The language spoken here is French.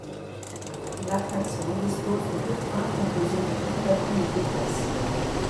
L'attraction dispose de deux trains composés de huit wagons de deux places.